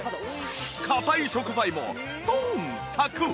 硬い食材もストーンサクッ！